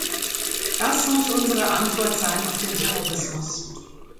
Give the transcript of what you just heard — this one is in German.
Das muss unsere Antwort sein auf den Terrorismus.